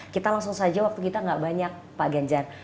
kita langsung saja waktu kita gak banyak pak ganjar